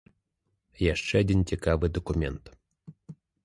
Яшчэ адзін цікавы дакумент.